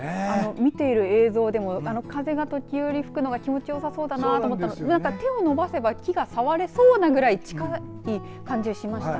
見ている映像でも風が時折吹くのが気持ちよさそうだなと思って手を伸ばせば木が触れそうなくらい近い感じがしましたね。